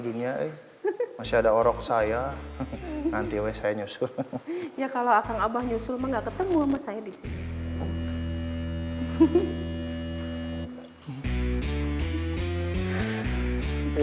dunia ini masih ada orang saya nanti saya nyusul ya kalau akan abah nyusul mengaketkan buah saya